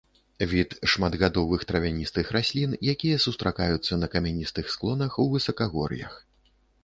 Від шматгадовых травяністых раслін, якія сустракаюцца на камяністых склонах у высакагор'ях.